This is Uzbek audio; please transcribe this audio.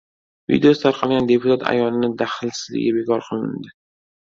Videosi tarqalgan deputat ayolning daxlsizligi bekor qilindi